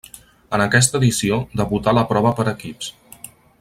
En aquesta edició debutà la prova per equips.